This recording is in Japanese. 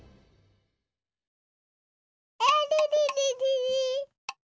あれれれれれ。